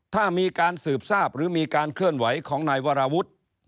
ถ้ามีการสืบทราบหรือมีการเคลื่อนไหวของนายวราวุฒิ